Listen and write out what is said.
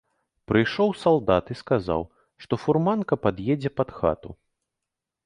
Прыйшоў салдат і сказаў, што фурманка пад'едзе пад хату.